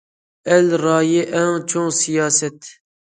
ئەل رايى ئەڭ چوڭ سىياسەت.